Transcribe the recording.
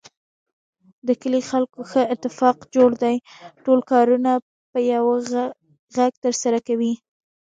د کلي خلکو ښه اتفاق جوړ دی. ټول کارونه په یوه غږ ترسره کوي.